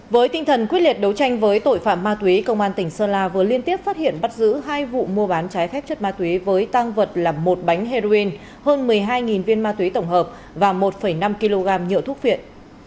với tinh thần quyết liệt đấu tranh với tội phạm ma túy công an tỉnh sơn la vừa liên tiếp phát hiện bắt giữ hai vụ mua bán trái phép chất ma túy với tăng vật là một bánh heroin hơn một mươi hai viên ma túy tổng hợp và một năm kg nhựa thuốc phiện